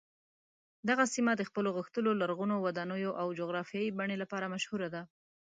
دغه سیمه د خپلو غښتلو لرغونو ودانیو او جغرافیايي بڼې لپاره مشهوره ده.